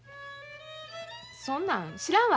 そんなん知らんわ。